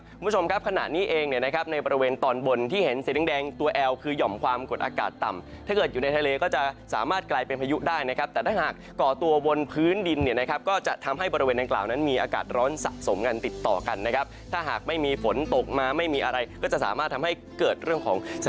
คุณผู้ชมครับขณะนี้เองเนี่ยนะครับในบริเวณตอนบนที่เห็นสีแดงตัวแอลคือหย่อมความกดอากาศต่ำถ้าเกิดอยู่ในทะเลก็จะสามารถกลายเป็นพายุได้นะครับแต่ถ้าหากก่อตัวบนพื้นดินเนี่ยนะครับก็จะทำให้บริเวณดังกล่าวนั้นมีอากาศร้อนสะสมกันติดต่อกันนะครับถ้าหากไม่มีฝนตกมาไม่มีอะไรก็จะสามารถทำให้เกิดเรื่องของส